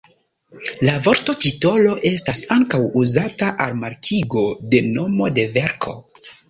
La vorto titolo estas ankaŭ uzata al markigo de nomo de verko.